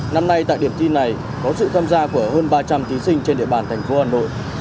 năm nay tại điểm thi này có sự tham gia của hơn ba trăm linh thí sinh trên địa bàn thành phố hà nội